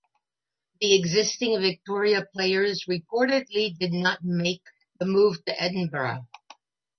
The existing Victoria players reportedly did not make the move to Edinburg.